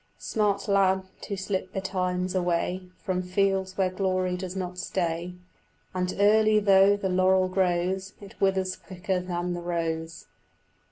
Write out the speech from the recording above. Smart lad, to slip betimes away From fields where glory does not stay And early though the laurel grows It withers quicker than the rose.